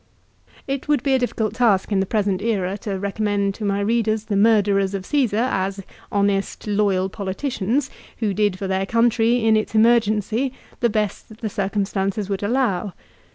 It would be a difficult task in the present era to recom mend to my readers the murderers of Caesar as honest, loyal politicians who did for their country, in its emergency, the best that the circumstances would allow.